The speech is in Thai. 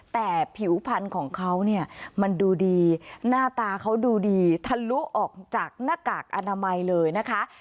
แต่ผิวพันธุ์ของเขาเนี่ยมันดูดีหน้าตาเขาดูดีทะลุออกจากหน้ากากอนามัยเลยนะคะ